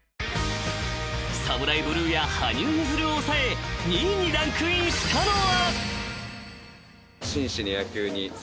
［ＳＡＭＵＲＡＩＢＬＵＥや羽生結弦を抑え２位にランクインしたのは］